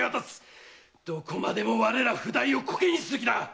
どこまでも我ら譜代をコケにする気だ！